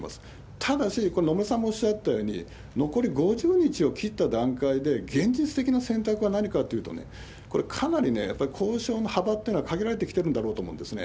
ただし、これ、野村さんもおっしゃったように、残り５０日を切った段階で、現実的な選択は何かというと、これ、かなりね、やっぱり交渉の幅ってのは限られてきてるんだろうと思うんですね。